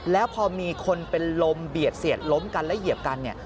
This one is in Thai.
แล้วพอมีคนเป็นลมเบียดเสียดล้มกันแล้วเหยียบกันเนี่ย